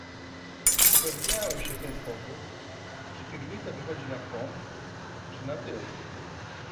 "Upewniałem się w ten sposób, czy piwnica wychodzi na front, czy na tył."